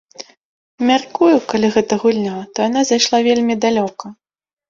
Мяркую, калі гэта гульня, то яна зайшла вельмі далёка.